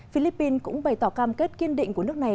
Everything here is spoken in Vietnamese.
philippines cũng bày tỏ cam kết kiên định của nước này